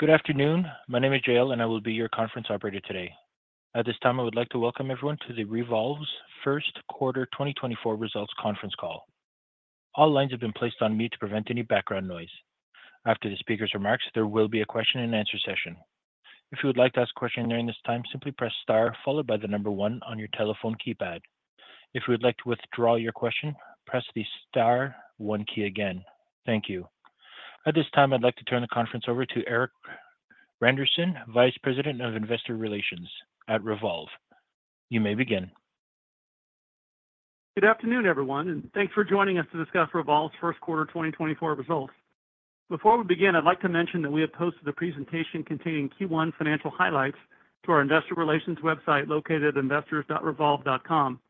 Good afternoon. My name is Jael, and I will be your conference operator today. At this time, I would like to welcome everyone to the Revolve's First Quarter 2024 Results Conference Call. All lines have been placed on mute to prevent any background noise. After the speaker's remarks, there will be a question and answer session. If you would like to ask a question during this time, simply press Star followed by the number one on your telephone keypad. If you would like to withdraw your question, press the star one key again. Thank you. At this time, I'd like to turn the conference over to Erik Randerson, Vice President of Investor Relations at Revolve. You may begin. Good afternoon, everyone, and thanks for joining us to discuss Revolve's First Quarter 2024 Results. Before we begin, I'd like to mention that we have posted a presentation containing Q1 financial highlights to our investor relations website, located at investors.revolve.com.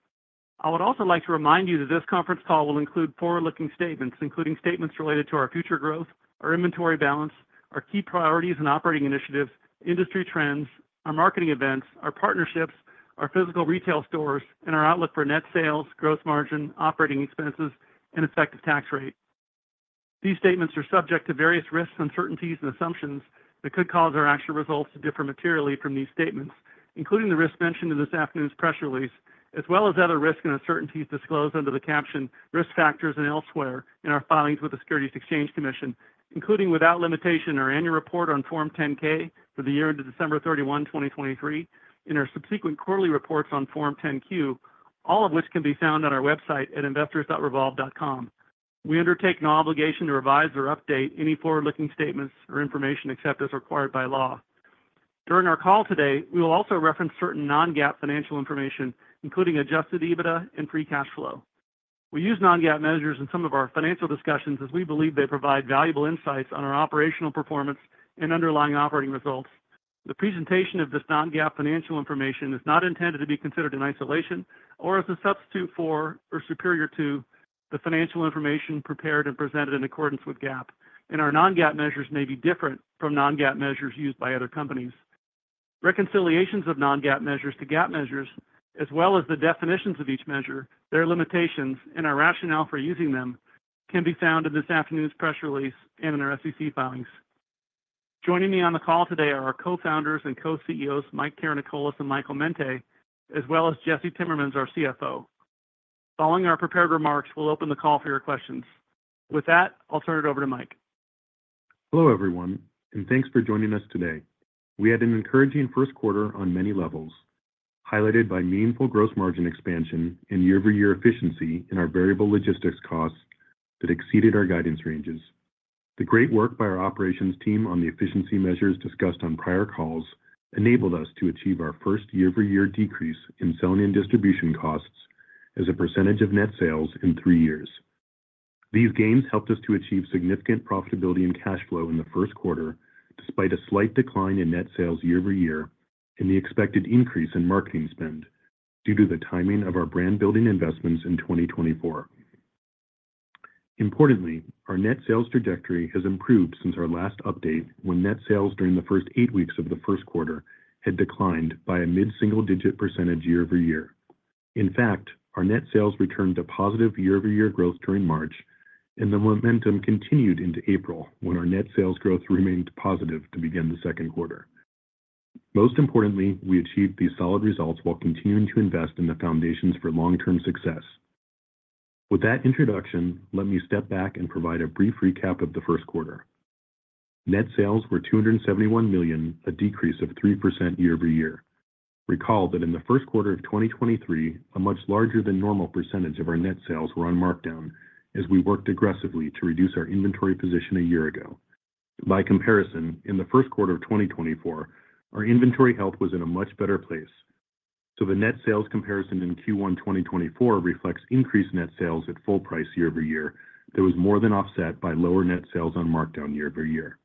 I would also like to remind you that this conference call will include forward-looking statements, including statements related to our future growth, our inventory balance, our key priorities and operating initiatives, industry trends, our marketing events, our partnerships, our physical retail stores, and our outlook for net sales, gross margin, operating expenses, and effective tax rate. These statements are subject to various risks, uncertainties, and assumptions that could cause our actual results to differ materially from these statements, including the risks mentioned in this afternoon's press release, as well as other risks and uncertainties disclosed under the caption Risk Factors and elsewhere in our filings with the Securities and Exchange Commission, including, without limitation, our annual report on Form 10-K for the year ended December 31, 2023, and our subsequent quarterly reports on Form 10-Q, all of which can be found on our website at investors.revolve.com. We undertake no obligation to revise or update any forward-looking statements or information except as required by law. During our call today, we will also reference certain non-GAAP financial information, including adjusted EBITDA and free cash flow. We use non-GAAP measures in some of our financial discussions as we believe they provide valuable insights on our operational performance and underlying operating results. The presentation of this non-GAAP financial information is not intended to be considered in isolation or as a substitute for or superior to the financial information prepared and presented in accordance with GAAP, and our non-GAAP measures may be different from non-GAAP measures used by other companies. Reconciliations of non-GAAP measures to GAAP measures, as well as the definitions of each measure, their limitations, and our rationale for using them, can be found in this afternoon's press release and in our SEC filings. Joining me on the call today are our co-founders and co-CEOs, Mike Karanikolas and Michael Mente, as well as Jesse Timmermans, our CFO. Following our prepared remarks, we'll open the call for your questions. With that, I'll turn it over to Mike. Hello, everyone, and thanks for joining us today. We had an encouraging first quarter on many levels, highlighted by meaningful gross margin expansion and year-over-year efficiency in our variable logistics costs that exceeded our guidance ranges. The great work by our operations team on the efficiency measures discussed on prior calls enabled us to achieve our first year-over-year decrease in selling and distribution costs as a percentage of net sales in three years. These gains helped us to achieve significant profitability and cash flow in the first quarter, despite a slight decline in net sales year-over-year and the expected increase in marketing spend due to the timing of our brand building investments in 2024. Importantly, our net sales trajectory has improved since our last update, when net sales during the first eight weeks of the first quarter had declined by a mid-single-digit % year-over-year. In fact, our net sales returned to positive year-over-year growth during March, and the momentum continued into April, when our net sales growth remained positive to begin the second quarter. Most importantly, we achieved these solid results while continuing to invest in the foundations for long-term success. With that introduction, let me step back and provide a brief recap of the first quarter. Net sales were $271 million, a decrease of 3% year-over-year. Recall that in the first quarter of 2023, a much larger than normal percentage of our net sales were on markdown as we worked aggressively to reduce our inventory position a year ago. By comparison, in the first quarter of 2024, our inventory health was in a much better place. So the net sales comparison in Q1 2024 reflects increased net sales at full price year-over-year. That was more than offset by lower net sales on markdown year-over-year.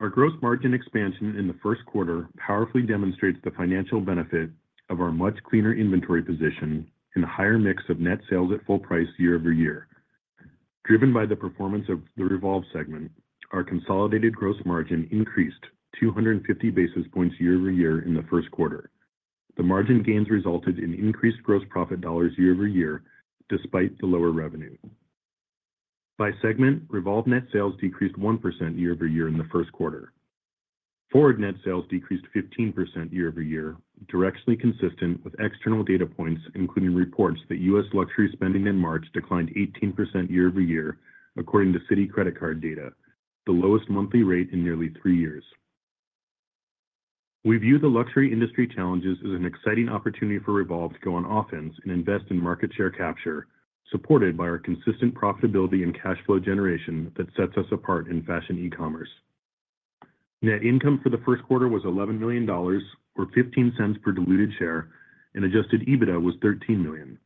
Our gross margin expansion in the first quarter powerfully demonstrates the financial benefit of our much cleaner inventory position and higher mix of net sales at full price year-over-year. Driven by the performance of the Revolve segment, our consolidated gross margin increased 250 basis points year-over-year in the first quarter. The margin gains resulted in increased gross profit dollars year-over-year, despite the lower revenue. By segment, Revolve net sales decreased 1% year-over-year in the first quarter. FWRD net sales decreased 15% year-over-year, directly consistent with external data points, including reports that U.S. luxury spending in March declined 18% year-over-year, according to Citi credit card data, the lowest monthly rate in nearly three years. We view the luxury industry challenges as an exciting opportunity for Revolve to go on offense and invest in market share capture, supported by our consistent profitability and cash flow generation that sets us apart in fashion e-commerce. Net income for the first quarter was $11 million, or $0.15 per diluted share, and Adjusted EBITDA was $13 million.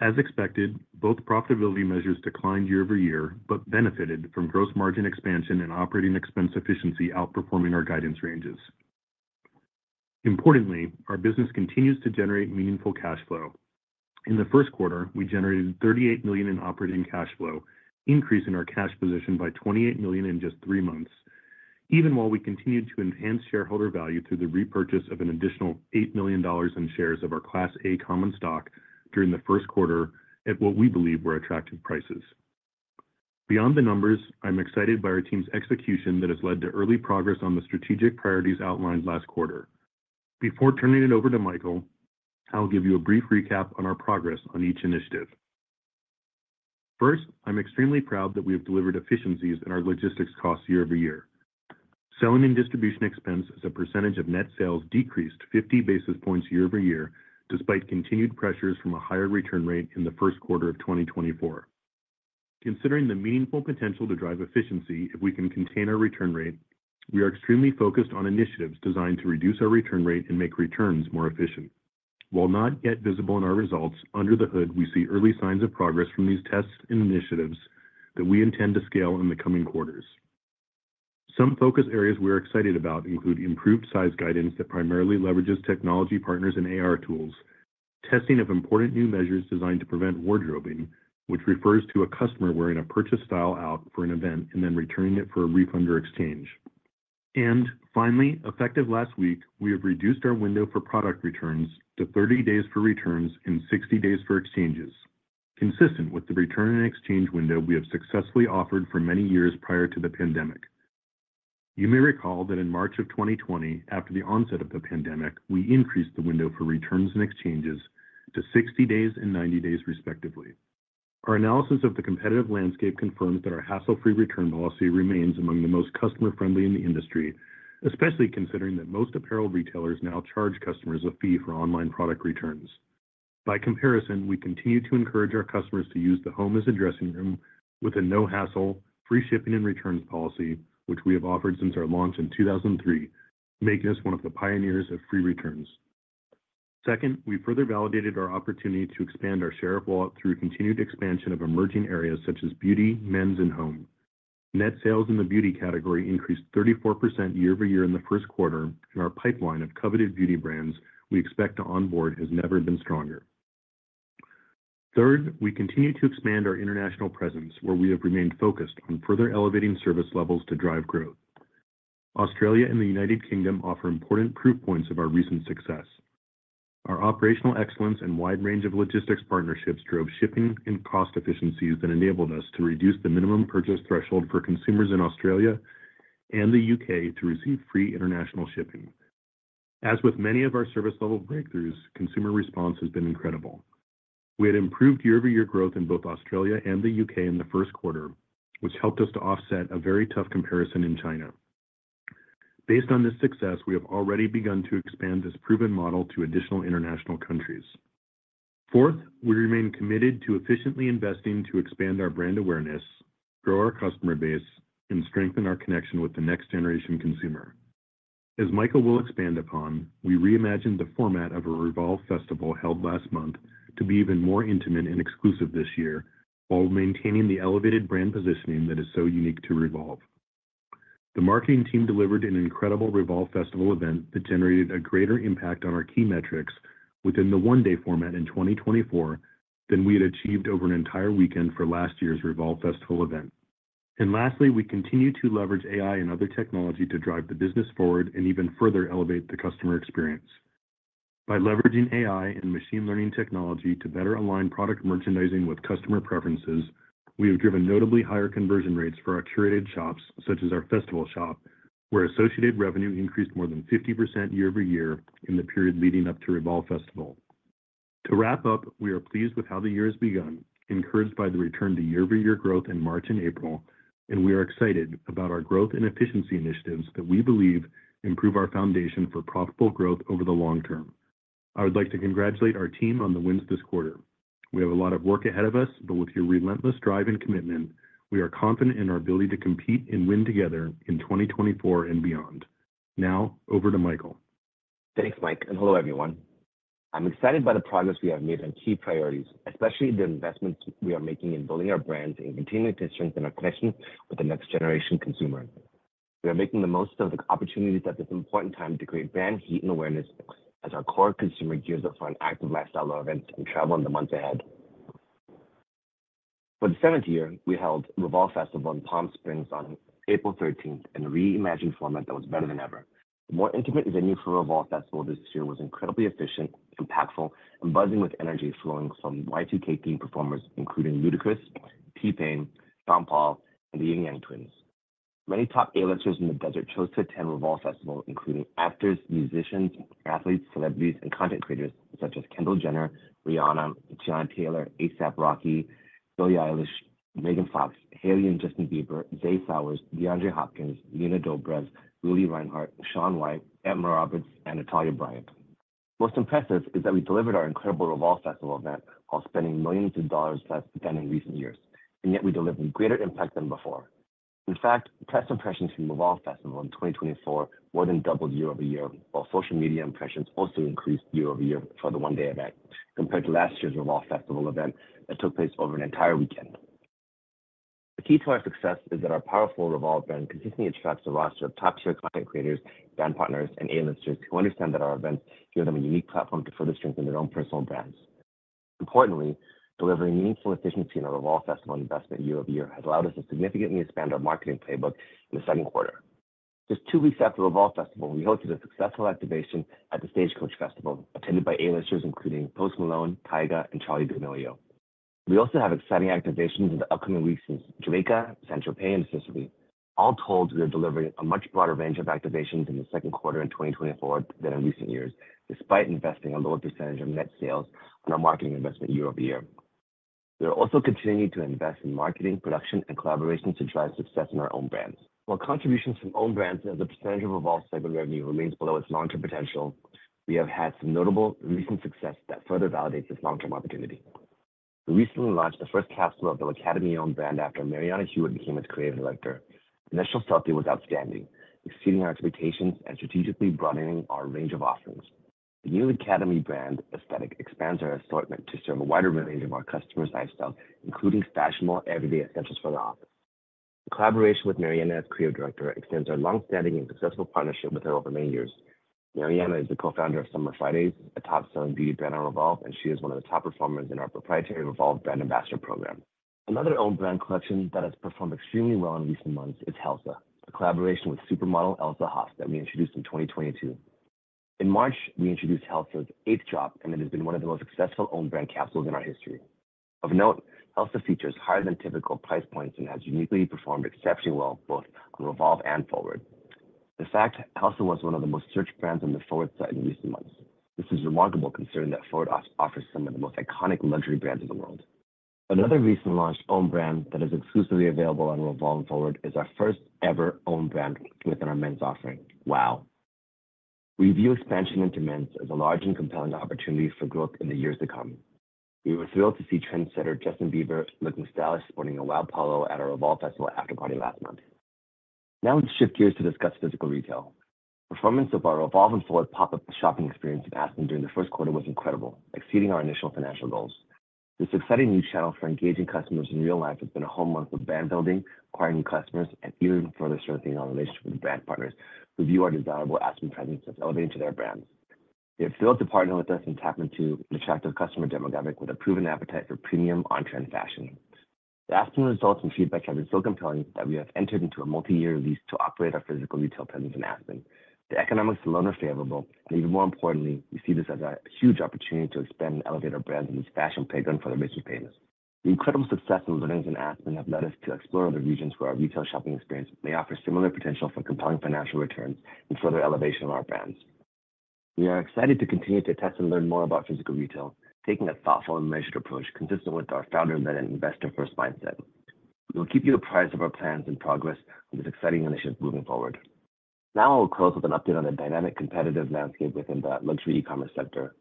As expected, both profitability measures declined year-over-year, but benefited from gross margin expansion and operating expense efficiency outperforming our guidance ranges. Importantly, our business continues to generate meaningful cash flow. In the first quarter, we generated $38 million in operating cash flow, increasing our cash position by $28 million in just three months, even while we continued to enhance shareholder value through the repurchase of an additional $8 million in shares of our Class A common stock during the first quarter at what we believe were attractive prices. Beyond the numbers, I'm excited by our team's execution that has led to early progress on the strategic priorities outlined last quarter. Before turning it over to Michael, I'll give you a brief recap on our progress on each initiative. First, I'm extremely proud that we have delivered efficiencies in our logistics costs year-over-year. Selling and distribution expense as a percentage of net sales decreased 50 basis points year-over-year, despite continued pressures from a higher return rate in the first quarter of 2024. Considering the meaningful potential to drive efficiency, if we can contain our return rate, we are extremely focused on initiatives designed to reduce our return rate and make returns more efficient. While not yet visible in our results, under the hood, we see early signs of progress from these tests and initiatives that we intend to scale in the coming quarters. Some focus areas we are excited about include improved size guidance that primarily leverages technology partners and AR tools, testing of important new measures designed to prevent wardrobing, which refers to a customer wearing a purchase style out for an event and then returning it for a refund or exchange. Finally, effective last week, we have reduced our window for product returns to 30 days for returns and 60 days for exchanges, consistent with the return and exchange window we have successfully offered for many years prior to the pandemic. You may recall that in March 2020, after the onset of the pandemic, we increased the window for returns and exchanges to 60 days and 90 days, respectively. Our analysis of the competitive landscape confirms that our hassle-free return policy remains among the most customer-friendly in the industry, especially considering that most apparel retailers now charge customers a fee for online product returns. By comparison, we continue to encourage our customers to use the home as a dressing room with a no-hassle, free shipping and returns policy, which we have offered since our launch in 2003, making us one of the pioneers of free returns. Second, we further validated our opportunity to expand our share of wallet through continued expansion of emerging areas such as beauty, men's, and home. Net sales in the beauty category increased 34% year-over-year in the first quarter, and our pipeline of coveted beauty brands we expect to onboard has never been stronger. Third, we continue to expand our international presence, where we have remained focused on further elevating service levels to drive growth. Australia and the United Kingdom offer important proof points of our recent success. Our operational excellence and wide range of logistics partnerships drove shipping and cost efficiencies that enabled us to reduce the minimum purchase threshold for consumers in Australia and the U.K. to receive free international shipping. As with many of our service level breakthroughs, consumer response has been incredible. We had improved year-over-year growth in both Australia and the U.K. in the first quarter, which helped us to offset a very tough comparison in China. Based on this success, we have already begun to expand this proven model to additional international countries. Fourth, we remain committed to efficiently investing to expand our brand awareness, grow our customer base, and strengthen our connection with the next generation consumer. As Michael will expand upon, we reimagined the format of a Revolve Festival held last month to be even more intimate and exclusive this year, while maintaining the elevated brand positioning that is so unique to Revolve. The marketing team delivered an incredible Revolve Festival event that generated a greater impact on our key metrics within the one-day format in 2024 than we had achieved over an entire weekend for last year's Revolve Festival event. And lastly, we continue to leverage AI and other technology to drive the business forward and even further elevate the customer experience. By leveraging AI and machine learning technology to better align product merchandising with customer preferences, we have driven notably higher conversion rates for our curated shops, such as our festival shop, where associated revenue increased more than 50% year-over-year in the period leading up to Revolve Festival. To wrap up, we are pleased with how the year has begun, encouraged by the return to year-over-year growth in March and April, and we are excited about our growth and efficiency initiatives that we believe improve our foundation for profitable growth over the long term. I would like to congratulate our team on the wins this quarter. We have a lot of work ahead of us, but with your relentless drive and commitment, we are confident in our ability to compete and win together in 2024 and beyond. Now, over to Michael. Thanks, Mike, and hello, everyone. I'm excited by the progress we have made on key priorities, especially the investments we are making in building our brands and continuing to strengthen our connection with the next generation consumer. We are making the most of the opportunities at this important time to create brand heat and awareness, as our core consumer gears up for an active lifestyle events and travel in the months ahead. For the seventh year, we held Revolve Festival in Palm Springs on April 13th, in a reimagined format that was better than ever. The more intimate venue for Revolve Festival this year was incredibly efficient, impactful, and buzzing with energy flowing from Y2K theme performers, including Ludacris, T-Pain, Sean Paul, and the Ying Yang Twins. Many top A-listers in the desert chose to attend Revolve Festival, including actors, musicians, athletes, celebrities, and content creators such as Kendall Jenner, Rihanna, Teyana Taylor, A$AP Rocky, Billie Eilish, Megan Fox, Hailey and Justin Bieber, Zay Flowers, DeAndre Hopkins, Nina Dobrev, Lili Reinhart, Shaun White, Emma Roberts, and Natalia Bryant. Most impressive is that we delivered our incredible Revolve Festival event while spending millions of dollars less than in recent years, and yet we delivered greater impact than before. In fact, press impressions from Revolve Festival in 2024 more than doubled year-over-year, while social media impressions also increased year-over-year for the one-day event, compared to last year's Revolve Festival event that took place over an entire weekend. The key to our success is that our powerful Revolve brand consistently attracts a roster of top-tier content creators, brand partners, and A-listers who understand that our events give them a unique platform to further strengthen their own personal brands. Importantly, delivering meaningful efficiency in our Revolve Festival investment year-over-year has allowed us to significantly expand our marketing playbook in the second quarter.... Just two weeks after the Revolve Festival, we hosted a successful activation at the Stagecoach Festival, attended by A-listers, including Post Malone, Tyga, and Charli D'Amelio. We also have exciting activations in the upcoming weeks in Jamaica, Saint-Tropez, and Sicily. All told, we are delivering a much broader range of activations in the second quarter in 2024 than in recent years, despite investing a lower percentage of net sales on our marketing investment year-over-year. We are also continuing to invest in marketing, production, and collaboration to drive success in our own brands. While contributions from owned brands as a percentage of Revolve's segment revenue remains below its long-term potential, we have had some notable recent success that further validates this long-term opportunity. We recently launched the first capsule of the L'Academie owned brand after Marianna Hewitt became its creative director. Initial sell-through was outstanding, exceeding our expectations and strategically broadening our range of offerings. The new L'Academie brand aesthetic expands our assortment to serve a wider range of our customers' lifestyle, including fashionable, everyday essentials for the office. The collaboration with Marianna as creative director extends our long-standing and successful partnership with her over many years. Marianna is the co-founder of Summer Fridays, a top-selling beauty brand on Revolve, and she is one of the top performers in our proprietary Revolve Brand Ambassador program. Another own brand collection that has performed extremely well in recent months is Helsa, a collaboration with supermodel Elsa Hosk that we introduced in 2022. In March, we introduced Helsa's eighth drop, and it has been one of the most successful own brand capsules in our history. Of note, Helsa features higher than typical price points and has uniquely performed exceptionally well both on Revolve and Forward. In fact, Helsa was one of the most searched brands on the Forward site in recent months. This is remarkable, considering that Forward offers some of the most iconic luxury brands in the world. Another recently launched own brand that is exclusively available on Revolve and Forward is our first ever own brand within our men's offering, W.O. We view expansion into men's as a large and compelling opportunity for growth in the years to come. We were thrilled to see trendsetter Justin Bieber looking stylish, sporting a W.O. polo at our Revolve Festival afterparty last month. Now let's shift gears to discuss physical retail. Performance of our Revolve and Forward pop-up shopping experience in Aspen during the first quarter was incredible, exceeding our initial financial goals. This exciting new channel for engaging customers in real life has been a home run for brand building, acquiring new customers, and even further strengthening our relationship with brand partners who view our desirable Aspen presence as elevating to their brands. They are thrilled to partner with us and tap into an attractive customer demographic with a proven appetite for premium on-trend fashion. The Aspen results and feedback have been so compelling that we have entered into a multi-year lease to operate our physical retail presence in Aspen. The economics alone are favorable, and even more importantly, we see this as a huge opportunity to expand and elevate our brands in this fashion playground for the rich and famous. The incredible success and learnings in Aspen have led us to explore other regions where our retail shopping experience may offer similar potential for compelling financial returns and further elevation of our brands. We are excited to continue to test and learn more about physical retail, taking a thoughtful and measured approach consistent with our founder-led and investor-first mindset. We will keep you apprised of our plans and progress on this exciting initiative moving forward. Now, I will close with an update on the dynamic competitive landscape within the luxury e-commerce sector.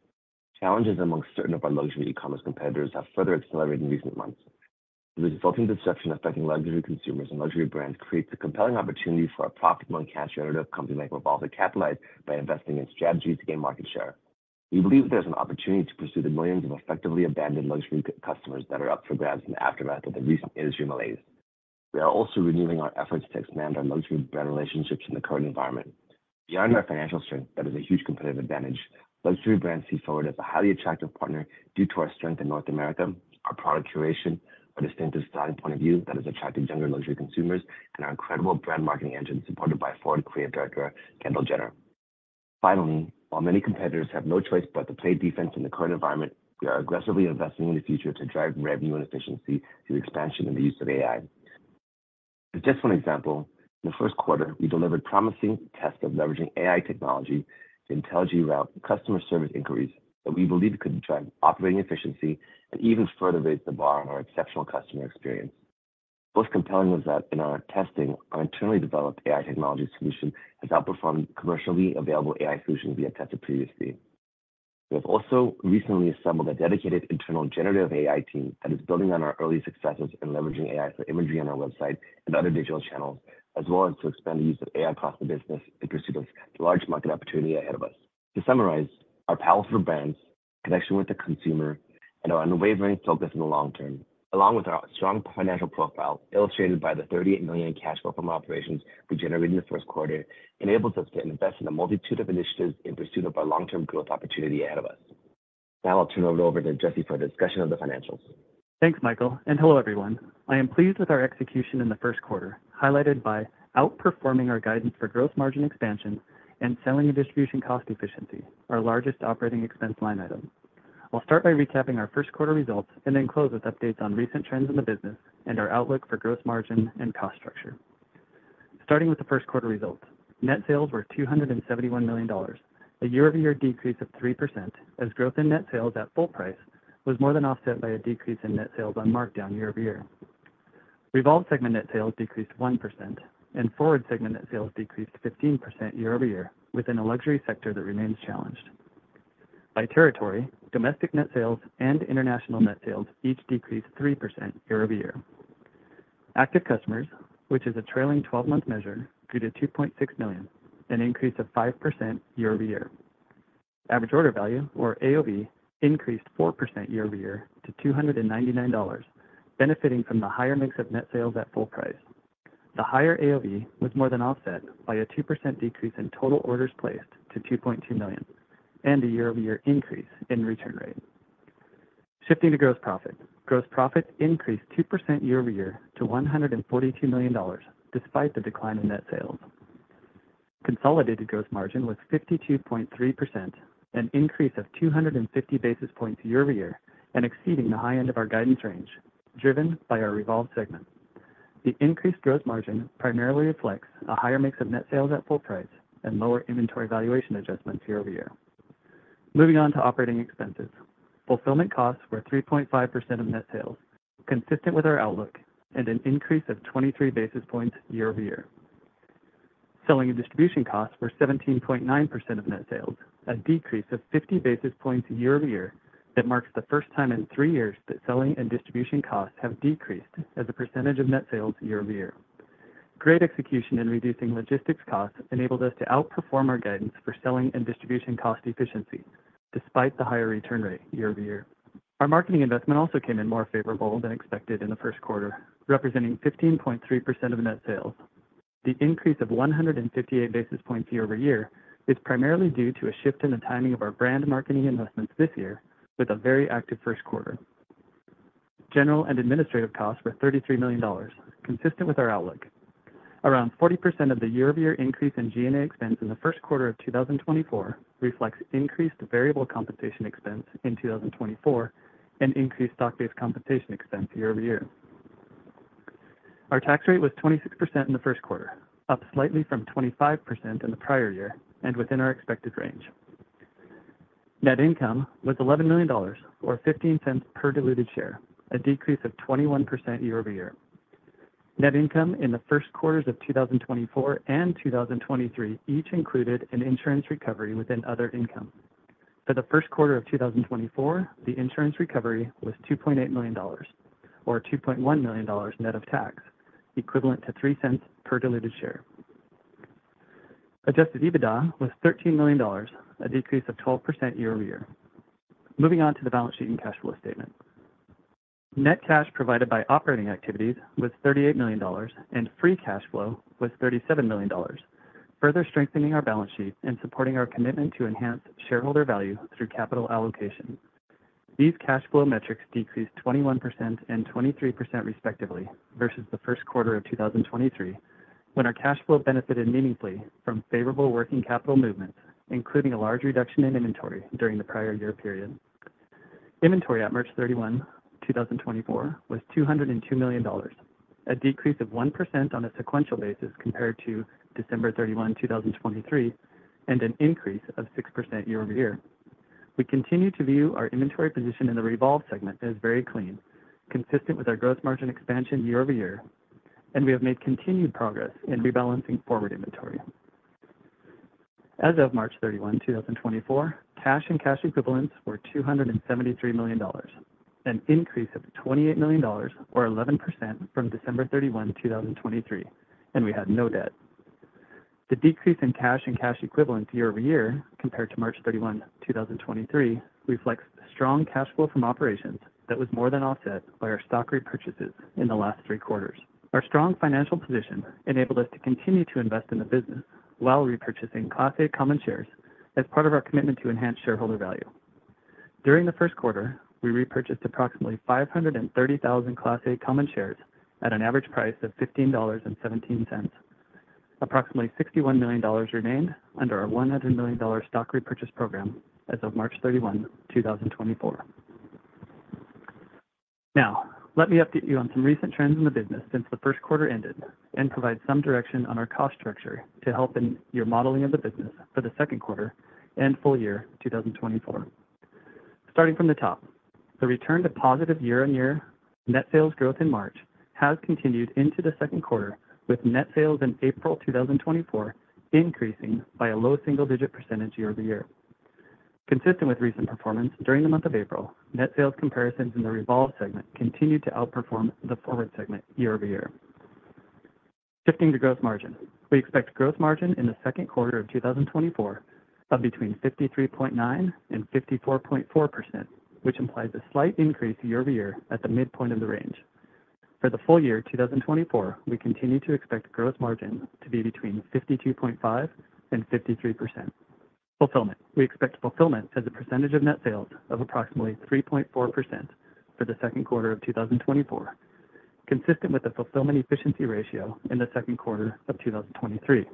Challenges among certain of our luxury e-commerce competitors have further accelerated in recent months. The resulting disruption affecting luxury consumers and luxury brands creates a compelling opportunity for a profitable and cash generative company like Revolve to capitalize by investing in strategies to gain market share. We believe there's an opportunity to pursue the millions of effectively abandoned luxury customers that are up for grabs in the aftermath of the recent industry malaise. We are also renewing our efforts to expand our luxury brand relationships in the current environment. Beyond our financial strength, that is a huge competitive advantage. Luxury brands see Forward as a highly attractive partner due to our strength in North America, our product curation, our distinctive styling point of view that is attracting younger luxury consumers, and our incredible brand marketing engine, supported by Forward creative director, Kendall Jenner. Finally, while many competitors have no choice but to play defense in the current environment, we are aggressively investing in the future to drive revenue and efficiency through expansion and the use of AI. As just one example, in the first quarter, we delivered promising tests of leveraging AI technology to intelligently route customer service inquiries that we believe could drive operating efficiency and even further raise the bar on our exceptional customer experience. What's compelling is that in our testing, our internally developed AI technology solution has outperformed commercially available AI solutions we have tested previously. We have also recently assembled a dedicated internal generative AI team that is building on our early successes in leveraging AI for imagery on our website and other digital channels, as well as to expand the use of AI across the business in pursuit of the large market opportunity ahead of us. To summarize, our powerful brands, connection with the consumer, and our unwavering focus in the long term, along with our strong financial profile, illustrated by the $38 million in cash flow from operations we generated in the first quarter, enables us to invest in a multitude of initiatives in pursuit of our long-term growth opportunity ahead of us. Now I'll turn it over to Jesse for a discussion of the financials. Thanks, Michael, and hello, everyone. I am pleased with our execution in the first quarter, highlighted by outperforming our guidance for growth, margin expansion, and selling and distribution cost efficiency, our largest operating expense line item. I'll start by recapping our first quarter results and then close with updates on recent trends in the business and our outlook for growth margin and cost structure. Starting with the first quarter results, net sales were $271 million, a year-over-year decrease of 3%, as growth in net sales at full price was more than offset by a decrease in net sales on markdown year-over-year. Revolve segment net sales decreased 1%, and Forward segment net sales decreased 15% year-over-year, within a luxury sector that remains challenged. By territory, domestic net sales and international net sales each decreased 3% year-over-year. Active customers, which is a trailing 12-month measure, grew to 2.6 million, an increase of 5% year-over-year. Average order value, or AOV, increased 4% year-over-year to $299, benefiting from the higher mix of net sales at full price. The higher AOV was more than offset by a 2% decrease in total orders placed to 2.2 million, and a year-over-year increase in return rate. Shifting to gross profit. Gross profit increased 2% year-over-year to $142 million, despite the decline in net sales. Consolidated gross margin was 52.3%, an increase of 250 basis points year-over-year, and exceeding the high end of our guidance range, driven by our Revolve segment. The increased gross margin primarily reflects a higher mix of net sales at full price and lower inventory valuation adjustments year-over-year. Moving on to operating expenses. Fulfillment costs were 3.5% of net sales, consistent with our outlook, and an increase of 23 basis points year-over-year. Selling and distribution costs were 17.9% of net sales, a decrease of 50 basis points year-over-year. That marks the first time in 3 years that selling and distribution costs have decreased as a percentage of net sales year-over-year. Great execution in reducing logistics costs enabled us to outperform our guidance for selling and distribution cost efficiency, despite the higher return rate year-over-year. Our marketing investment also came in more favorable than expected in the first quarter, representing 15.3% of net sales. The increase of 158 basis points year-over-year is primarily due to a shift in the timing of our brand marketing investments this year, with a very active first quarter. General and administrative costs were $33 million, consistent with our outlook. Around 40% of the year-over-year increase in G&A expense in the first quarter of 2024 reflects increased variable compensation expense in 2024, and increased stock-based compensation expense year-over-year. Our tax rate was 26% in the first quarter, up slightly from 25% in the prior year and within our expected range. Net income was $11 million, or $0.15 per diluted share, a decrease of 21% year-over-year. Net income in the first quarters of 2024 and 2023 each included an insurance recovery within other income. For the first quarter of 2024, the insurance recovery was $2.8 million, or $2.1 million net of tax, equivalent to $0.03 per diluted share. Adjusted EBITDA was $13 million, a decrease of 12% year-over-year. Moving on to the balance sheet and cash flow statement. Net cash provided by operating activities was $38 million, and free cash flow was $37 million, further strengthening our balance sheet and supporting our commitment to enhance shareholder value through capital allocation. These cash flow metrics decreased 21% and 23% respectively versus the first quarter of 2023, when our cash flow benefited meaningfully from favorable working capital movements, including a large reduction in inventory during the prior year period. Inventory at March 31, 2024, was $202 million, a decrease of 1% on a sequential basis compared to December 31, 2023, and an increase of 6% year-over-year. We continue to view our inventory position in the Revolve segment as very clean, consistent with our gross margin expansion year-over-year, and we have made continued progress in rebalancing Forward inventory. As of March 31, 2024, cash and cash equivalents were $273 million, an increase of $28 million or 11% from December 31, 2023, and we had no debt. The decrease in cash and cash equivalents year-over-year compared to March 31, 2023, reflects strong cash flow from operations that was more than offset by our stock repurchases in the last three quarters. Our strong financial position enabled us to continue to invest in the business while repurchasing Class A common shares as part of our commitment to enhance shareholder value. During the first quarter, we repurchased approximately 530,000 Class A common shares at an average price of $15.17. Approximately $61 million remained under our $100 million stock repurchase program as of March 31, 2024. Now, let me update you on some recent trends in the business since the first quarter ended and provide some direction on our cost structure to help in your modeling of the business for the second quarter and full year, 2024. Starting from the top, the return to positive year-on-year net sales growth in March has continued into the second quarter, with net sales in April 2024 increasing by a low single digit percentage year-over-year. Consistent with recent performance, during the month of April, net sales comparisons in the Revolve segment continued to outperform the Forward segment year-over-year. Shifting to gross margin. We expect gross margin in the second quarter of 2024 of between 53.9% and 54.4%, which implies a slight increase year-over-year at the midpoint of the range. For the full year, 2024, we continue to expect gross margin to be between 52.5% and 53%. Fulfillment. We expect fulfillment as a percentage of net sales of approximately 3.4% for the second quarter of 2024, consistent with the fulfillment efficiency ratio in the second quarter of 2023.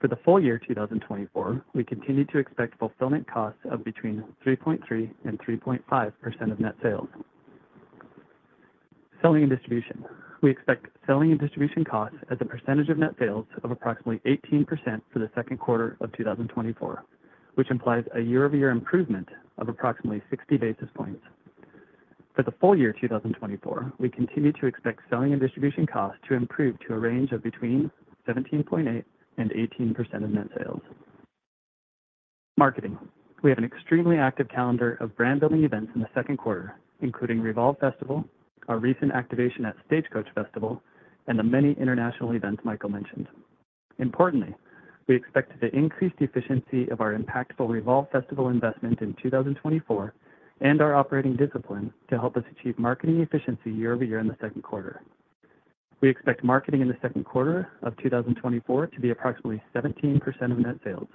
For the full year 2024, we continue to expect fulfillment costs of between 3.3% and 3.5% of net sales. Selling and distribution. We expect selling and distribution costs as a percentage of net sales of approximately 18% for the second quarter of 2024, which implies a year-over-year improvement of approximately 60 basis points. For the full year 2024, we continue to expect selling and distribution costs to improve to a range of between 17.8% and 18% of net sales. Marketing. We have an extremely active calendar of brand building events in the second quarter, including Revolve Festival, our recent activation at Stagecoach Festival, and the many international events Michael mentioned. Importantly, we expect to increase the efficiency of our impactful Revolve Festival investment in 2024 and our operating discipline to help us achieve marketing efficiency year-over-year in the second quarter. We expect marketing in the second quarter of 2024 to be approximately 17% of net sales,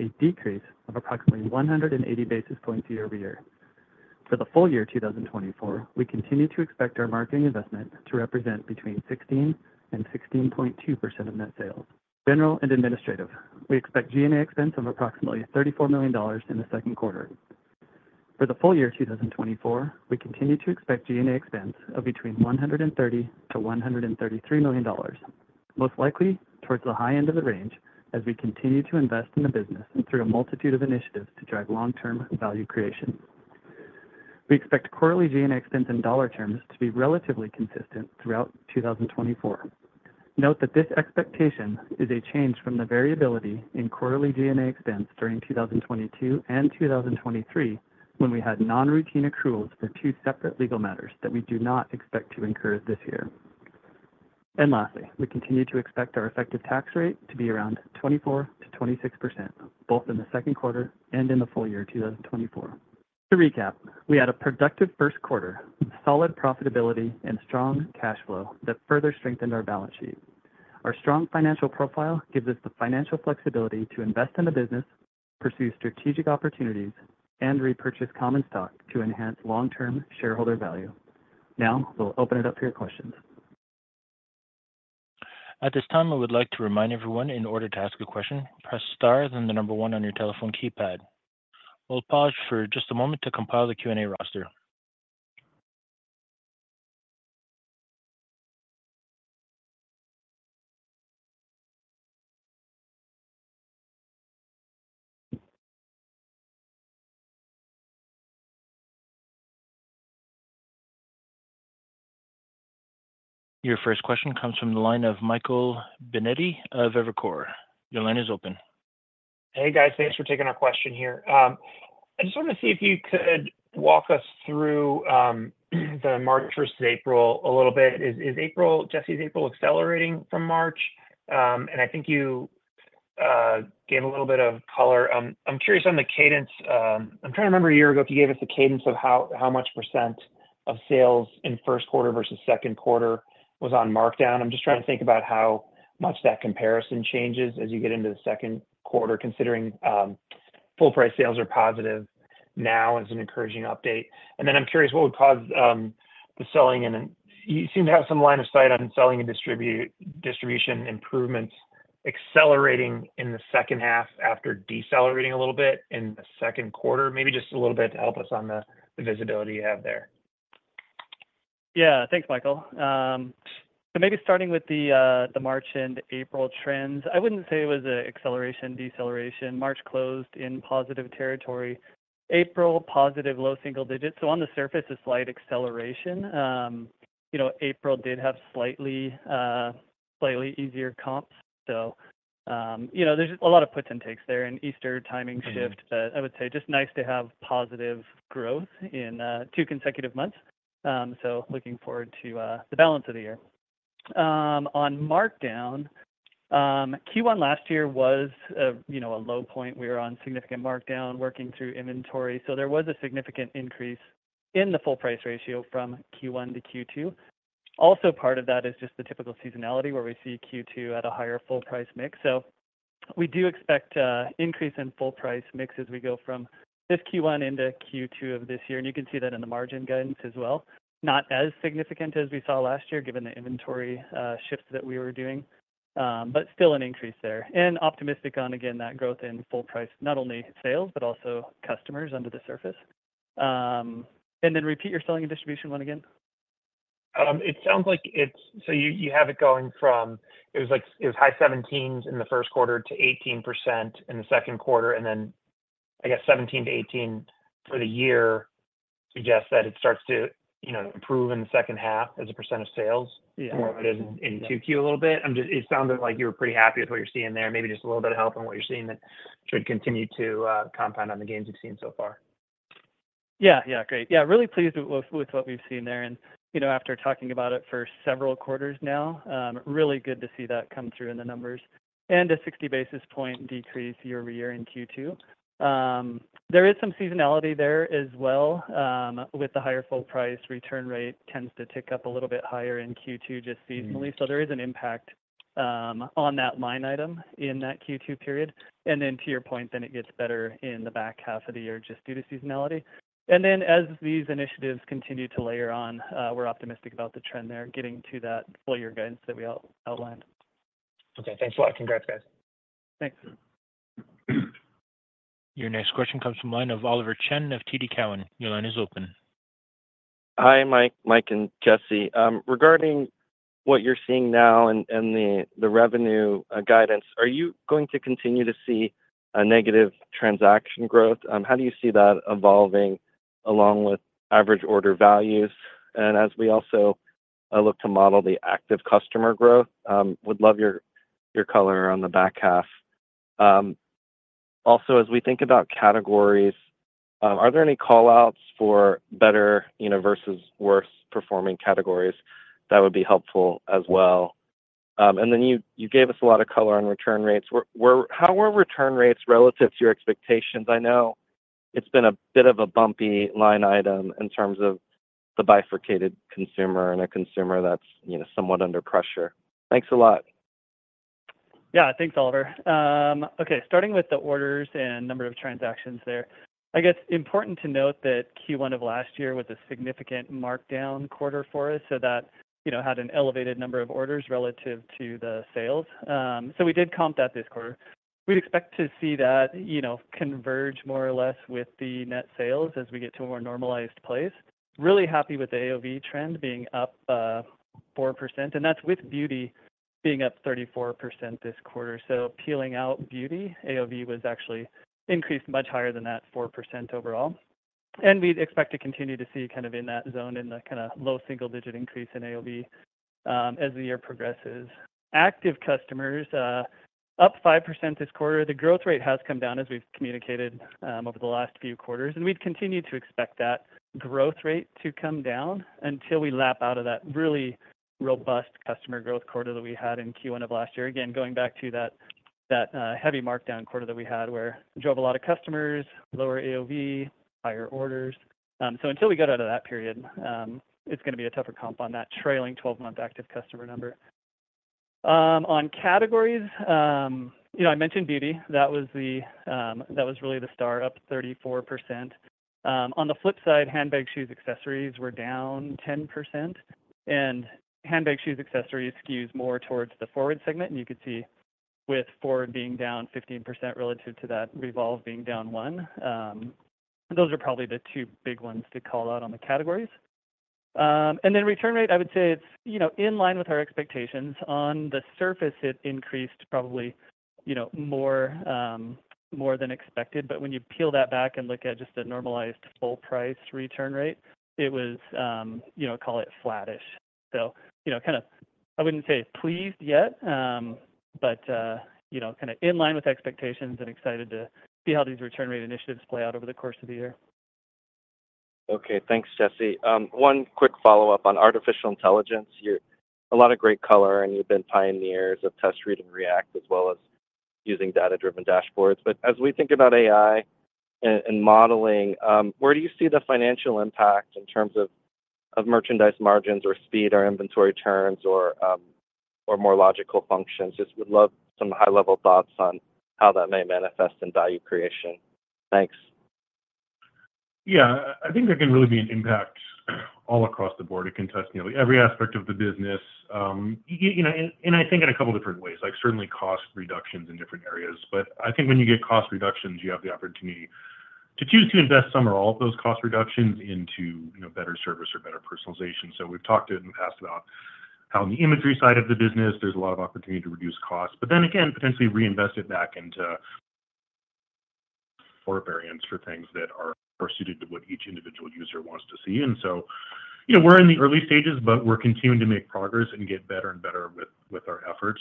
a decrease of approximately 180 basis points year-over-year. For the full year 2024, we continue to expect our marketing investment to represent between 16% and 16.2% of net sales. General and administrative, we expect G&A expense of approximately $34 million in the second quarter. For the full year 2024, we continue to expect G&A expense of between $130 million and $133 million, most likely towards the high end of the range, as we continue to invest in the business and through a multitude of initiatives to drive long-term value creation. We expect quarterly G&A expense in dollar terms to be relatively consistent throughout 2024. Note that this expectation is a change from the variability in quarterly G&A expense during 2022 and 2023, when we had non-routine accruals for two separate legal matters that we do not expect to incur this year. Lastly, we continue to expect our effective tax rate to be around 24%-26%, both in the second quarter and in the full year 2024. To recap, we had a productive first quarter, solid profitability and strong cash flow that further strengthened our balance sheet. Our strong financial profile gives us the financial flexibility to invest in the business, pursue strategic opportunities, and repurchase common stock to enhance long-term shareholder value. Now, we'll open it up to your questions. At this time, I would like to remind everyone, in order to ask a question, press Star, then the number one on your telephone keypad. We'll pause for just a moment to compile the Q&A roster. Your first question comes from the line of Michael Binetti of Evercore. Your line is open. Hey, guys. Thanks for taking our question here. I just wanted to see if you could walk us through the March versus April a little bit. Is April, Jesse, is April accelerating from March? And I think you gave a little bit of color. I'm curious on the cadence. I'm trying to remember a year ago, if you gave us a cadence of how much percent of sales in first quarter versus second quarter was on markdown. I'm just trying to think about how much that comparison changes as you get into the second quarter, considering full price sales are positive now as an encouraging update. And then I'm curious, what would cause the selling and... You seem to have some line of sight on selling and distribution improvements accelerating in the second half after decelerating a little bit in the second quarter. Maybe just a little bit to help us on the visibility you have there. Yeah. Thanks, Michael. So maybe starting with the, the March and April trends, I wouldn't say it was a acceleration, deceleration. March closed in positive territory. April, positive, low single digits. So on the surface, a slight acceleration. You know, April did have slightly, slightly easier comps. So, you know, there's a lot of puts and takes there, and Easter timing shift. Mm-hmm. But I would say just nice to have positive growth in two consecutive months. So looking forward to the balance of the year. On markdown, Q1 last year was, you know, a low point. We were on significant markdown, working through inventory, so there was a significant increase in the full price ratio from Q1 to Q2. Also, part of that is just the typical seasonality, where we see Q2 at a higher full price mix. So we do expect a increase in full price mix as we go from this Q1 into Q2 of this year, and you can see that in the margin guidance as well. Not as significant as we saw last year, given the inventory shifts that we were doing, but still an increase there. Optimistic on, again, that growth in full price, not only sales, but also customers under the surface. Then repeat your selling and distribution one again. It sounds like it's— so you, you have it going from, it was like, it was high 17s in the first quarter to 18% in the second quarter. And then, I guess 17%-18% for the year suggests that it starts to, you know, improve in the second half as a percent of sales- Yeah more than it is in Q2 a little bit. I'm just. It sounded like you were pretty happy with what you're seeing there. Maybe just a little bit of help on what you're seeing that should continue to compound on the gains you've seen so far. Yeah, yeah. Great. Yeah, really pleased with what we've seen there. And you know, after talking about it for several quarters now, really good to see that come through in the numbers. And a 60 basis point decrease year-over-year in Q2. There is some seasonality there as well. With the higher full price, return rate tends to tick up a little bit higher in Q2, just seasonally. Mm-hmm. So there is an impact on that line item in that Q2 period. Then to your point, it gets better in the back half of the year just due to seasonality. As these initiatives continue to layer on, we're optimistic about the trend there, getting to that full year guidance that we outlined. Okay. Thanks a lot. Congrats, guys. Thanks. Your next question comes from the line of Oliver Chen of TD Cowen. Your line is open. Hi, Mike, Mike, and Jesse. Regarding what you're seeing now and the revenue guidance, are you going to continue to see a negative transaction growth? How do you see that evolving, along with average order values? And as we also look to model the active customer growth, would love your, your color on the back half. Also, as we think about categories, are there any call-outs for better, you know, versus worse-performing categories? That would be helpful as well... And then you, you gave us a lot of color on return rates. Where, where—how were return rates relative to your expectations? I know it's been a bit of a bumpy line item in terms of the bifurcated consumer and a consumer that's, you know, somewhat under pressure. Thanks a lot. Yeah. Thanks, Oliver. Okay, starting with the orders and number of transactions there, I guess important to note that Q1 of last year was a significant markdown quarter for us, so that, you know, had an elevated number of orders relative to the sales. So we did comp that this quarter. We'd expect to see that, you know, converge more or less with the net sales as we get to a more normalized place. Really happy with the AOV trend being up 4%, and that's with beauty being up 34% this quarter. So peeling out beauty, AOV was actually increased much higher than that 4% overall, and we'd expect to continue to see kind of in that zone, in the kinda low single-digit increase in AOV, as the year progresses. Active customers, up 5% this quarter. The growth rate has come down, as we've communicated, over the last few quarters, and we'd continue to expect that growth rate to come down until we lap out of that really robust customer growth quarter that we had in Q1 of last year. Again, going back to that heavy markdown quarter that we had, where we drove a lot of customers, lower AOV, higher orders. So until we get out of that period, it's gonna be a tougher comp on that trailing 12-month active customer number. On categories, you know, I mentioned beauty. That was really the star, up 34%. On the flip side, handbag, shoes, accessories were down 10%, and handbag, shoes, accessories skews more towards the Forward segment, and you could see with Forward being down 15% relative to that, Revolve being down 1%. Those are probably the two big ones to call out on the categories. And then return rate, I would say it's, you know, in line with our expectations. On the surface, it increased probably, you know, more than expected, but when you peel that back and look at just the normalized full price return rate, it was, you know, call it flattish. So, you know, kind of, I wouldn't say pleased yet, but, you know, kinda in line with expectations and excited to see how these return rate initiatives play out over the course of the year. Okay. Thanks, Jesse. One quick follow-up on artificial intelligence. You're a lot of great color, and you've been pioneers of test, read, and react, as well as using data-driven dashboards. But as we think about AI and modeling, where do you see the financial impact in terms of merchandise margins, or speed, or inventory turns, or more logical functions? Just would love some high-level thoughts on how that may manifest in value creation. Thanks. Yeah. I think there can really be an impact all across the board. It can touch nearly every aspect of the business. You know, and I think in a couple different ways, like certainly cost reductions in different areas. But I think when you get cost reductions, you have the opportunity to choose to invest some or all of those cost reductions into, you know, better service or better personalization. So we've talked in the past about how the imagery side of the business, there's a lot of opportunity to reduce costs, but then again, potentially reinvest it back into more variants for things that are more suited to what each individual user wants to see. So, you know, we're in the early stages, but we're continuing to make progress and get better and better with our efforts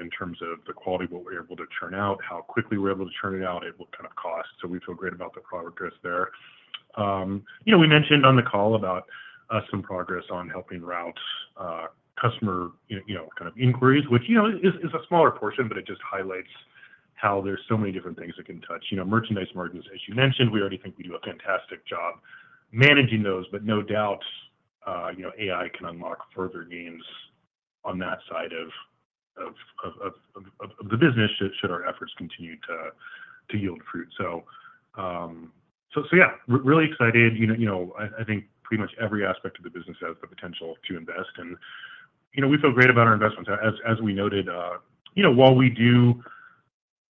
in terms of the quality of what we're able to churn out, how quickly we're able to churn it out, at what kind of cost. So we feel great about the progress there. You know, we mentioned on the call about some progress on helping route customer you know, kind of inquiries, which, you know, is a smaller portion, but it just highlights how there's so many different things that can touch. You know, merchandise margins, as you mentioned, we already think we do a fantastic job managing those, but no doubt, you know, AI can unlock further gains on that side of the business, should our efforts continue to yield fruit. So, yeah, really excited. You know, I think pretty much every aspect of the business has the potential to invest, and, you know, we feel great about our investments. As we noted, you know, while we do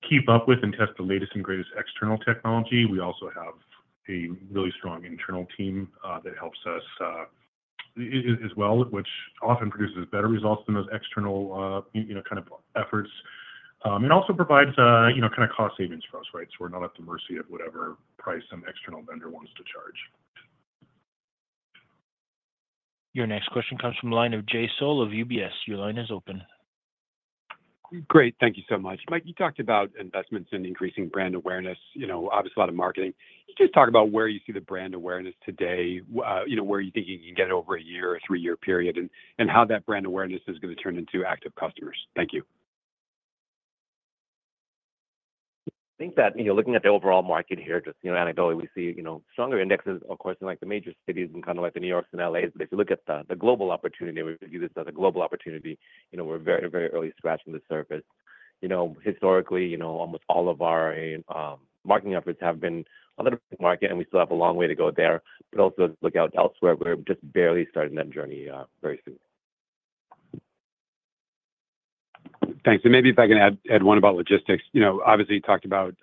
keep up with and test the latest and greatest external technology, we also have a really strong internal team that helps us as well, which often produces better results than those external, you know, kind of efforts. It also provides, you know, kind of cost savings for us, right? So we're not at the mercy of whatever price some external vendor wants to charge. Your next question comes from the line of Jay Sole of UBS. Your line is open. Great. Thank you so much. Mike, you talked about investments and increasing brand awareness, you know, obviously a lot of marketing. Can you just talk about where you see the brand awareness today, you know, where you think you can get it over a year or three-year period, and, and how that brand awareness is gonna turn into active customers? Thank you. I think that, you know, looking at the overall market here, just, you know, anecdotally, we see, you know, stronger indexes, of course, in, like, the major cities and kind of like the New Yorks and L.A.s. But if you look at the global opportunity, we view this as a global opportunity, you know, we're very, very early scratching the surface. You know, historically, you know, almost all of our marketing efforts have been on the market, and we still have a long way to go there, but also look out elsewhere. We're just barely starting that journey, very soon. Thanks. And maybe if I can add one about logistics. You know, obviously, you talked about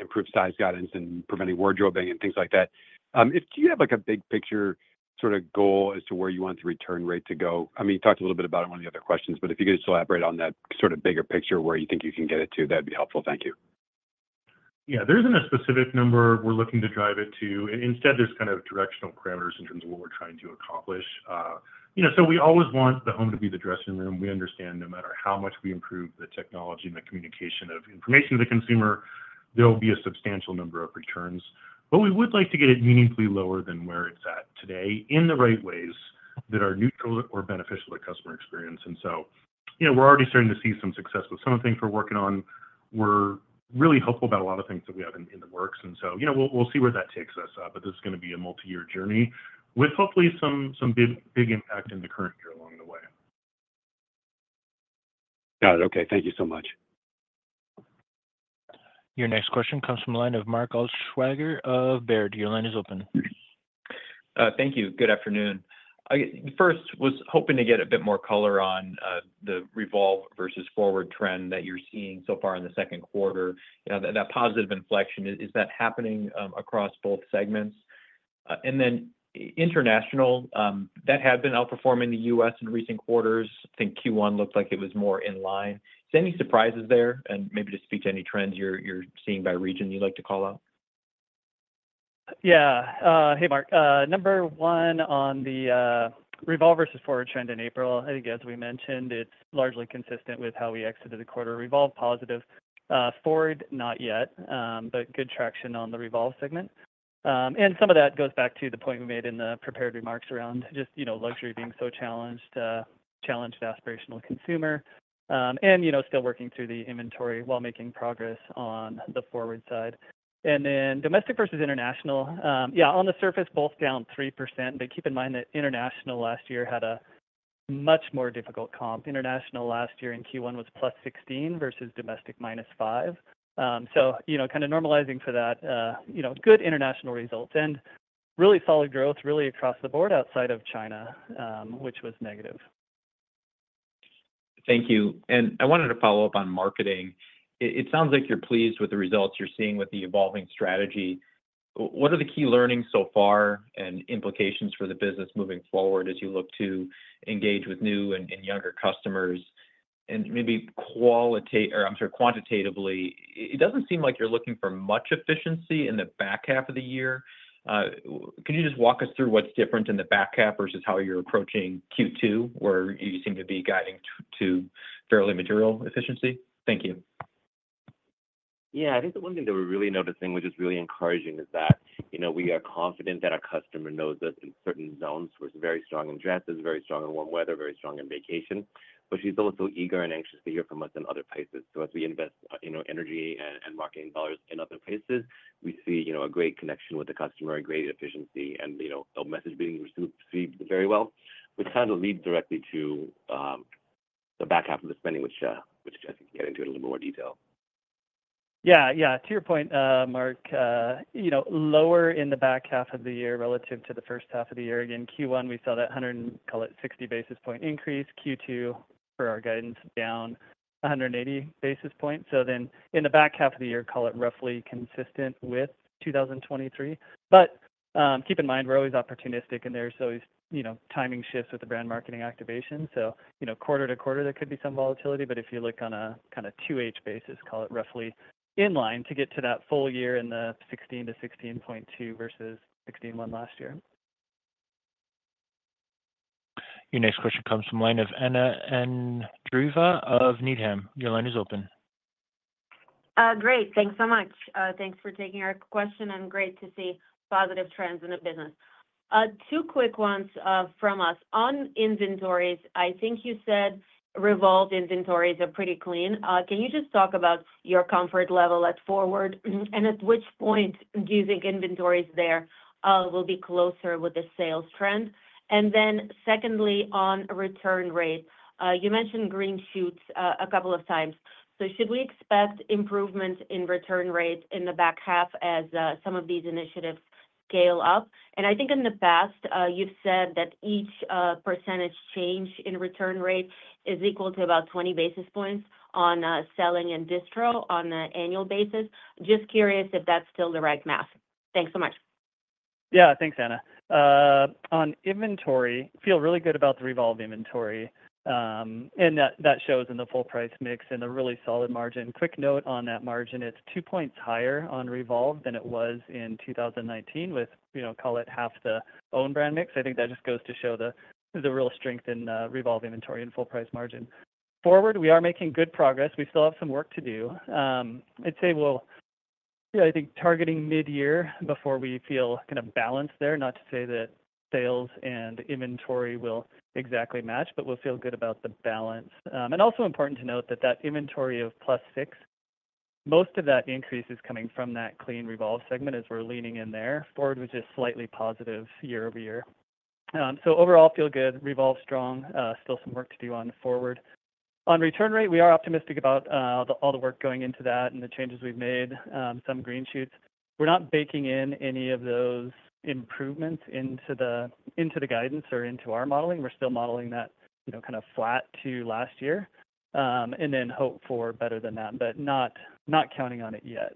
improved size guidance and preventing wardrobing and things like that. If you have, like, a big picture sort of goal as to where you want the return rate to go? I mean, you talked a little bit about it in one of the other questions, but if you could just elaborate on that sort of bigger picture, where you think you can get it to, that'd be helpful. Thank you. Yeah. There isn't a specific number we're looking to drive it to. Instead, there's kind of directional parameters in terms of what we're trying to accomplish. You know, so we always want the home to be the dressing room. We understand no matter how much we improve the technology and the communication of information to the consumer-... there will be a substantial number of returns, but we would like to get it meaningfully lower than where it's at today, in the right ways that are neutral or beneficial to customer experience. And so, you know, we're already starting to see some success with some of the things we're working on. We're really hopeful about a lot of things that we have in the works, and so, you know, we'll see where that takes us. But this is gonna be a multi-year journey with hopefully some big impact in the current year along the way. Got it. Okay. Thank you so much. Your next question comes from the line of Mark Altschwager of Baird. Your line is open. Thank you. Good afternoon. I first was hoping to get a bit more color on the Revolve versus Forward trend that you're seeing so far in the second quarter. You know, that positive inflection, is that happening across both segments? And then international, that had been outperforming the U.S. in recent quarters. I think Q1 looked like it was more in line. So any surprises there? And maybe just speak to any trends you're seeing by region you'd like to call out. Yeah. Hey, Mark. Number one, on the, Revolve versus Forward trend in April, I think as we mentioned, it's largely consistent with how we exited the quarter. Revolve positive. Forward, not yet, but good traction on the Revolve segment. And some of that goes back to the point we made in the prepared remarks around just, you know, luxury being so challenged, challenged aspirational consumer, and, you know, still working through the inventory while making progress on the Forward side. And then domestic versus international, yeah, on the surface, both down 3%, but keep in mind that international last year had a much more difficult comp. International last year in Q1 was +16 versus domestic -5. So, you know, kind of normalizing for that, you know, good international results, and really solid growth really across the board outside of China, which was negative. Thank you. I wanted to follow up on marketing. It sounds like you're pleased with the results you're seeing with the evolving strategy. What are the key learnings so far and implications for the business moving forward as you look to engage with new and younger customers? And maybe or I'm sorry, quantitatively, it doesn't seem like you're looking for much efficiency in the back half of the year. Can you just walk us through what's different in the back half versus how you're approaching Q2, where you seem to be guiding to fairly material efficiency? Thank you. Yeah. I think the one thing that we're really noticing, which is really encouraging, is that, you know, we are confident that our customer knows us in certain zones. We're very strong in dresses, very strong in warm weather, very strong in vacation, but she's also eager and anxious to hear from us in other places. So as we invest, you know, energy and marketing dollars in other places, we see, you know, a great connection with the customer, a great efficiency, and, you know, the message being received, received very well, which kind of leads directly to the back half of the spending, which I can get into a little more detail. Yeah. Yeah. To your point, Mark, you know, lower in the back half of the year relative to the first half of the year. Again, Q1, we saw that 160 basis point increase. Q2, per our guidance, down 180 basis points. So then in the back half of the year, call it roughly consistent with 2023. But keep in mind, we're always opportunistic in there, so it's, you know, timing shifts with the brand marketing activation. So, you know, quarter to quarter, there could be some volatility, but if you look on a kinda 2H basis, call it roughly in line to get to that full year in the 16%-16.2% versus 16.1% last year. Your next question comes from the line of Anna Andreeva of Needham. Your line is open. Great. Thanks so much. Thanks for taking our question, and great to see positive trends in the business. Two quick ones from us. On inventories, I think you said Revolve inventories are pretty clean. Can you just talk about your comfort level at Forward, and at which point do you think inventories there will be closer with the sales trend? And then secondly, on return rate, you mentioned green shoots a couple of times. So should we expect improvements in return rates in the back half as some of these initiatives scale up? And I think in the past, you've said that each percentage change in return rate is equal to about 20 basis points on selling and distro on an annual basis. Just curious if that's still the right math. Thanks so much. Yeah. Thanks, Anna. On inventory, feel really good about the Revolve inventory, and that shows in the full price mix and a really solid margin. Quick note on that margin, it's 2 points higher on Revolve than it was in 2019 with, you know, call it, half the own brand mix. I think that just goes to show the real strength in Revolve inventory and full price margin. Forward, we are making good progress. We still have some work to do. I'd say we'll... Yeah, I think targeting midyear before we feel kinda balanced there. Not to say that sales and inventory will exactly match, but we'll feel good about the balance. And also important to note that that inventory of +6, most of that increase is coming from that clean Revolve segment as we're leaning in there. Forward was just slightly positive year over year. So overall, feel good, Revolve strong, still some work to do on the Forward. On return rate, we are optimistic about the all the work going into that and the changes we've made, some green shoots. We're not baking in any of those improvements into the into the guidance or into our modeling. We're still modeling that, you know, kinda flat to last year, and then hope for better than that, but not not counting on it yet.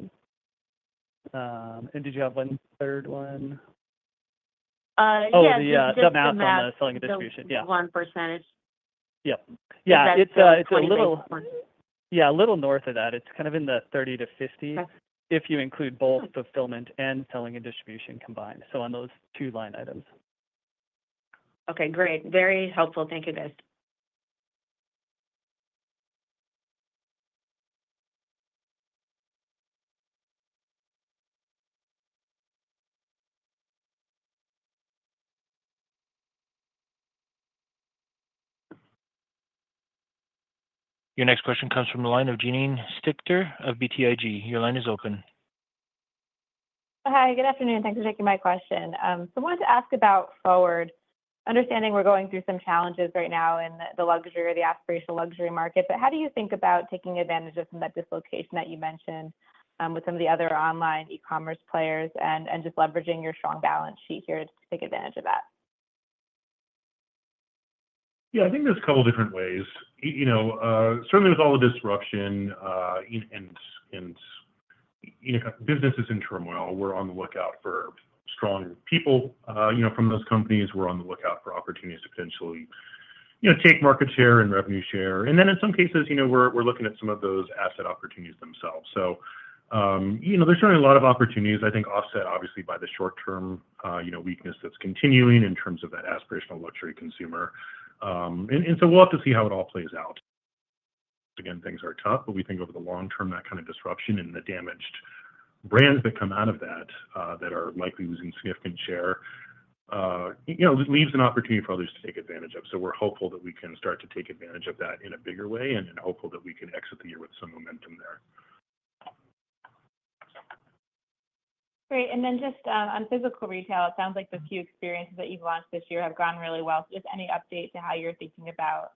And did you have one third one? Uh, yeah. Oh, the math- The math- - on the Selling and distribution. Yeah... 1%. Yeah. Yeah. Is that still- It's a little-... 20 basis points? Yeah, a little north of that. It's kind of in the 30-50- Okay... if you include both fulfillment and selling and distribution combined, so on those two line items. Okay, great. Very helpful. Thank you, guys. Your next question comes from the line of Janine Stichter of BTIG. Your line is open. Hi, good afternoon. Thanks for taking my question. I wanted to ask about Forward. Understanding we're going through some challenges right now in the, the luxury or the aspirational luxury market, but how do you think about taking advantage of some of that dislocation that you mentioned, with some of the other online e-commerce players and just leveraging your strong balance sheet here to take advantage of that? Yeah, I think there's a couple different ways. You know, certainly with all the disruption, and, you know, businesses in turmoil, we're on the lookout for strong people, you know, from those companies. We're on the lookout for opportunities to potentially, you know, take market share and revenue share. And then in some cases, you know, we're looking at some of those asset opportunities themselves. So, you know, there's certainly a lot of opportunities, I think, offset obviously by the short-term, you know, weakness that's continuing in terms of that aspirational luxury consumer. And so we'll have to see how it all plays out. Again, things are tough, but we think over the long term, that kind of disruption and the damaged brands that come out of that, that are likely losing significant share, you know, leaves an opportunity for others to take advantage of. So we're hopeful that we can start to take advantage of that in a bigger way and hopeful that we can exit the year with some momentum there. Great. And then just on physical retail, it sounds like the few experiences that you've launched this year have gone really well. Just any update to how you're thinking about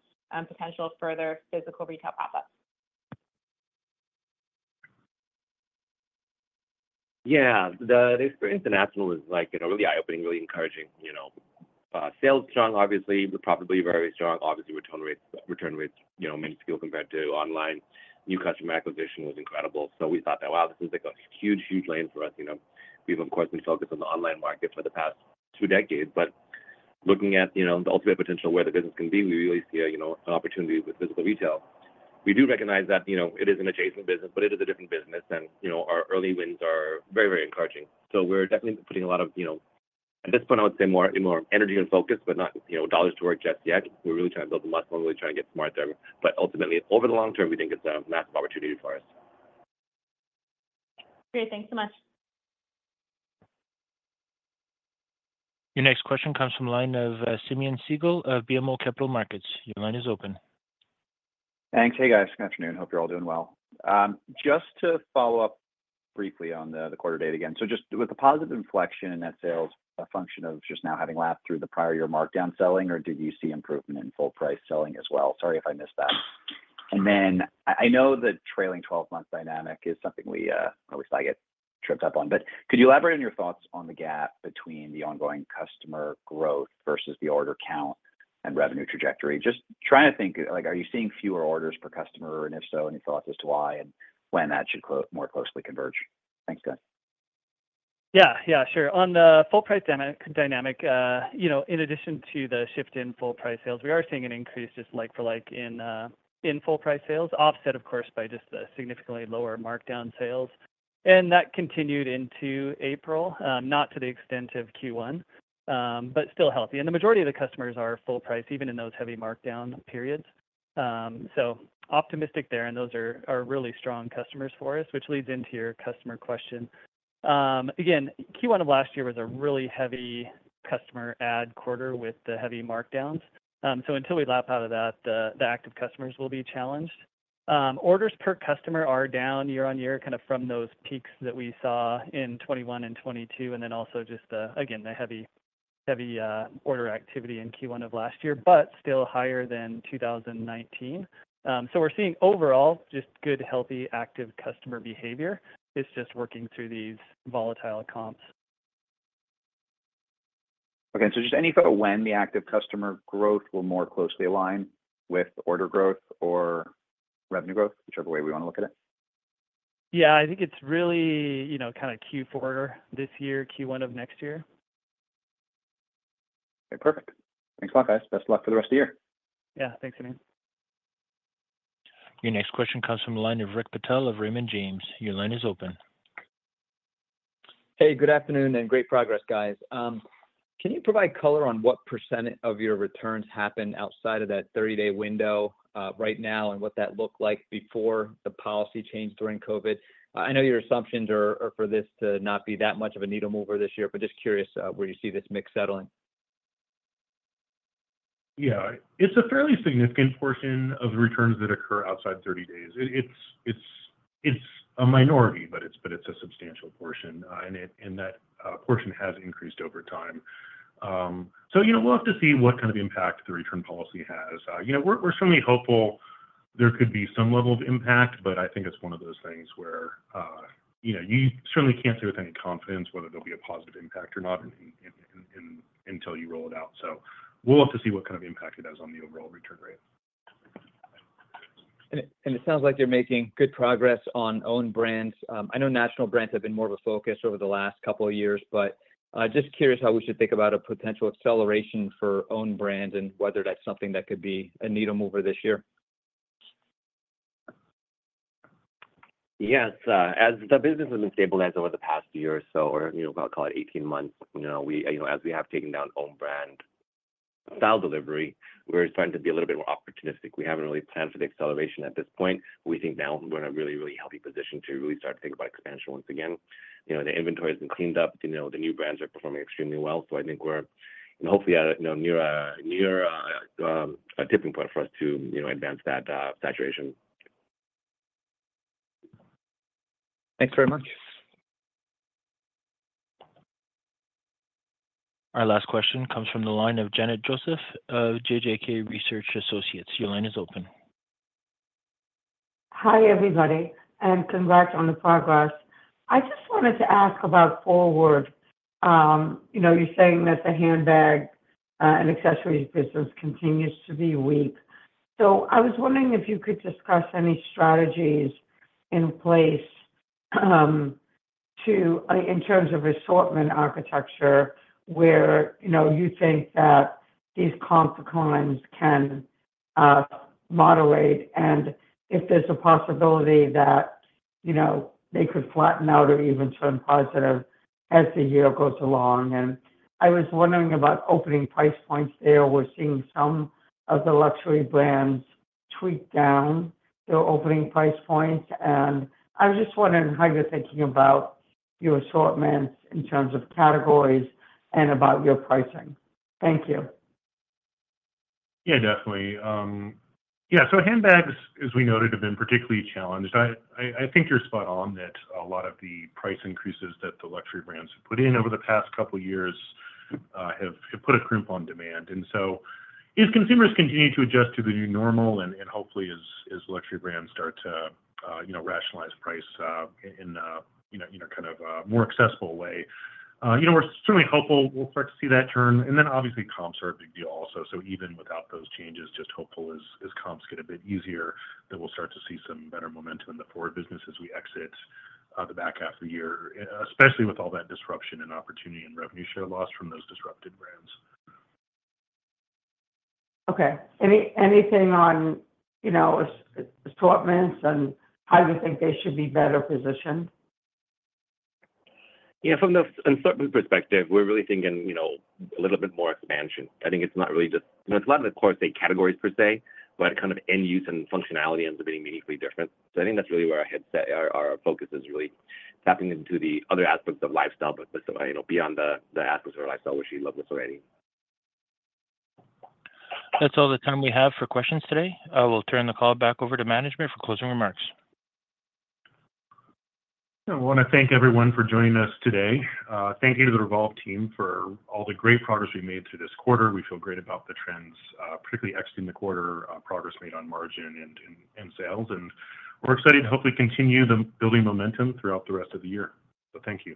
potential further physical retail pop-ups? Yeah. The, the experience at National was, like, you know, really eye-opening, really encouraging, you know. Sales strong, obviously, the profitability very strong. Obviously, return rates, return rates, you know, minuscule compared to online. New customer acquisition was incredible, so we thought that, wow, this is like a huge, huge lane for us, you know? We've, of course, been focused on the online market for the past two decades, but looking at, you know, the ultimate potential where the business can be, we really see a, you know, an opportunity with physical retail. We do recognize that, you know, it is an adjacent business, but it is a different business and, you know, our early wins are very, very encouraging. So we're definitely putting a lot of, you know... At this point, I would say more, more energy and focus, but not, you know, dollars to work just yet. We're really trying to build the muscle and really trying to get smarter. But ultimately, over the long term, we think it's a massive opportunity for us. Great. Thanks so much. Your next question comes from the line of Simeon Siegel of BMO Capital Markets. Your line is open. Thanks. Hey, guys. Good afternoon. Hope you're all doing well. Just to follow up briefly on the quarter date again. So just with the positive inflection in net sales, a function of just now having lapped through the prior year markdown selling, or did you see improvement in full price selling as well? Sorry if I missed that. And then I know the trailing 12-month dynamic is something we or we still get tripped up on, but could you elaborate on your thoughts on the gap between the ongoing customer growth versus the order count and revenue trajectory? Just trying to think, like, are you seeing fewer orders per customer? And if so, any thoughts as to why and when that should more closely converge? Thanks, guys. Yeah, yeah, sure. On the full price dynamic, you know, in addition to the shift in full price sales, we are seeing an increase just like for like in full price sales, offset, of course, by just the significantly lower markdown sales. And that continued into April, not to the extent of Q1, but still healthy. And the majority of the customers are full price, even in those heavy markdown periods. So optimistic there, and those are really strong customers for us, which leads into your customer question. Again, Q1 of last year was a really heavy customer add quarter with the heavy markdowns. So until we lap out of that, the active customers will be challenged. Orders per customer are down year-on-year, kind of from those peaks that we saw in 2021 and 2022, and then also just the, again, the heavy, heavy, order activity in Q1 of last year, but still higher than 2019. So we're seeing overall just good, healthy, active customer behavior. It's just working through these volatile comps. Okay. Just any thought of when the active customer growth will more closely align with order growth or revenue growth, whichever way we want to look at it? Yeah, I think it's really, you know, kind of Q4 this year, Q1 of next year. Perfect. Thanks a lot, guys. Best of luck for the rest of the year. Yeah, thanks, Simeon. Your next question comes from the line of Rick Patel of Raymond James. Your line is open. Hey, good afternoon, and great progress, guys. Can you provide color on what % of your returns happen outside of that 30-day window, right now, and what that looked like before the policy change during COVID? I know your assumptions are for this to not be that much of a needle mover this year, but just curious, where you see this mix settling. Yeah. It's a fairly significant portion of the returns that occur outside 30-days. It's a minority, but it's a substantial portion, and that portion has increased over time. So, you know, we'll have to see what kind of impact the return policy has. You know, we're certainly hopeful there could be some level of impact, but I think it's one of those things where, you know, you certainly can't say with any confidence whether there'll be a positive impact or not until you roll it out. So we'll have to see what kind of impact it has on the overall return rate. It sounds like you're making good progress on own brands. I know national brands have been more of a focus over the last couple of years, but just curious how we should think about a potential acceleration for own brands and whether that's something that could be a needle mover this year.... Yes, as the business has been stabilized over the past year or so, you know, I'll call it 18 months, you know, we, you know, as we have taken down own brand style delivery, we're starting to be a little bit more opportunistic. We haven't really planned for the acceleration at this point. We think now we're in a really, really healthy position to really start to think about expansion once again. You know, the inventory has been cleaned up. You know, the new brands are performing extremely well. So I think we're hopefully at, you know, near a tipping point for us to, you know, advance that saturation. Thanks very much. Our last question comes from the line of Janet Joseph of JJK Research Associates. Your line is open. Hi, everybody, and congrats on the progress. I just wanted to ask about Forward. You know, you're saying that the handbag and accessories business continues to be weak. So I was wondering if you could discuss any strategies in place in terms of assortment architecture, where you know you think that these consequences can moderate? And if there's a possibility that, you know, they could flatten out or even turn positive as the year goes along. And I was wondering about opening price points there. We're seeing some of the luxury brands tweak down their opening price points, and I was just wondering how you're thinking about your assortments in terms of categories and about your pricing. Thank you. Yeah, definitely. Yeah, so handbags, as we noted, have been particularly challenged. I think you're spot on that a lot of the price increases that the luxury brands have put in over the past couple of years have put a crimp on demand. And so as consumers continue to adjust to the new normal and hopefully as luxury brands start to, you know, rationalize price in a, you know, you know, kind of a more accessible way, you know, we're certainly hopeful we'll start to see that turn. And then obviously comps are a big deal also. So even without those changes, just hopeful as comps get a bit easier, then we'll start to see some better momentum in the Forward business as we exit the back half of the year, especially with all that disruption and opportunity and revenue share loss from those disrupted brands. Okay. Anything on, you know, assortments and how you think they should be better positioned? Yeah, from the assortment perspective, we're really thinking, you know, a little bit more expansion. I think it's not really just-it's a lot of the core, say, categories per se, but kind of end use and functionality ends up being meaningfully different. So I think that's really where our headset, our focus is, really tapping into the other aspects of lifestyle, but, you know, beyond the aspects of lifestyle, which we love this already. That's all the time we have for questions today. I will turn the call back over to management for closing remarks. I want to thank everyone for joining us today. Thank you to the Revolve team for all the great progress we made through this quarter. We feel great about the trends, particularly exiting the quarter, progress made on margin and sales, and we're excited to hopefully continue the building momentum throughout the rest of the year. So thank you.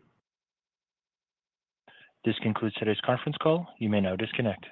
This concludes today's conference call. You may now disconnect.